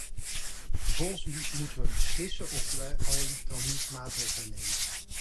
Vervolgens moeten wij beslissen of wij al dan niet een maatregel nemen.